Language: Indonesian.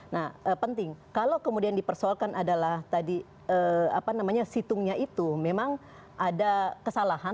nah penting kalau kemudian dipersoalkan adalah tadi apa namanya situngnya itu memang ada kesalahan